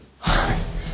はい。